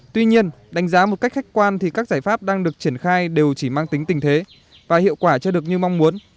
tuy nhiên đánh giá một cách khách quan thì các giải pháp đang được triển khai đều chỉ mang tính tình thế và hiệu quả chưa được như mong muốn